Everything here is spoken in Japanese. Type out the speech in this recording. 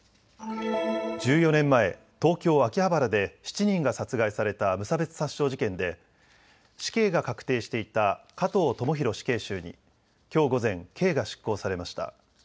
１４年前、東京秋葉原で７人が殺害された無差別殺傷事件で死刑が確定していた加藤智大死刑囚にきょう午前、刑が執行されました。